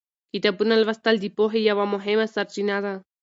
کتابونه لوستل د پوهې یوه مهمه سرچینه ده.